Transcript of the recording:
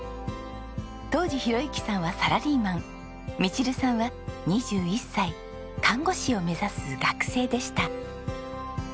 当時宏幸さんはサラリーマンミチルさんは２１歳看護師を目指す学生でした。